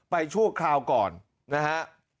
ไปช่วงคราวก่อนนะฮะ